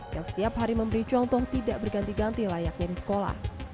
yang setiap hari memberi contoh tidak berganti ganti layaknya di sekolah